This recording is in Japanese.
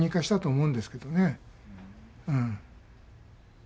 うん。